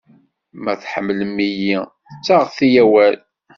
Ma tḥemmlem-iyi, ttaɣet-iyi awal.